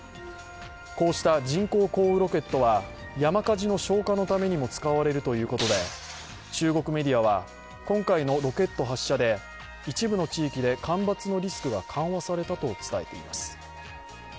こうした人工降雨ロケットは、山火事の消火のためにも使われるということで中国メディアは今回のロケット発射で一部の地域で干ばつのリスクが緩和されたと伝えられています。